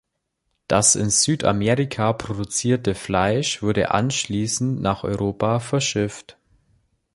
Das in Südamerika produzierte Fleisch wurde anschließend nach Europa verschifft.